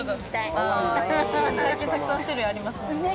最近たくさん種類ありますもんね。